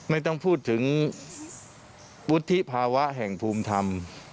ไม่ต้องพูดถึงวุฒิภาวะแห่งภูมิธรรม